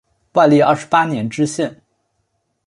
万历二十八年知县。